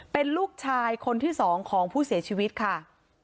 เป็นลูกชายคนที่๒ของผู้เสียชีวิตค่ะ